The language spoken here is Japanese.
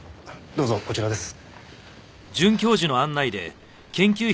どうぞこちらです。